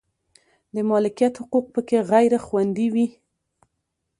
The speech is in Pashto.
د مالکیت حقوق په کې غیر خوندي و.